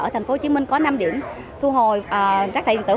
ở tp hcm có năm điểm thu hồi rác thải điện tử